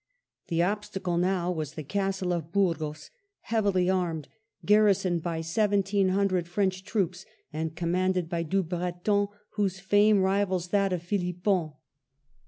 The obstacle now was the castle of Burgos, heavily armed, garrisoned by seventeen hundred French troops, and commanded by Dubreton whose fame rivals that of Philippon.